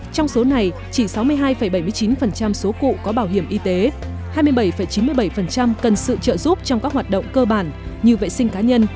trong số này chỉ sáu mươi hai bảy mươi chín số cụ có bảo hiểm y tế hai mươi bảy chín mươi bảy cần sự trợ giúp trong các hoạt động cơ bản như vệ sinh cá nhân